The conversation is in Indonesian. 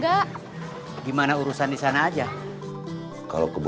eh sehari ini saya edo cuk